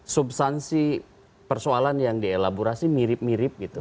substansi persoalan yang di elaborasi mirip mirip gitu